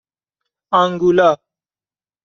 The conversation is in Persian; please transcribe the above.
آنگولا